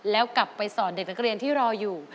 แล้วกลับไปสอนเด็กนักเรียนที่รออยู่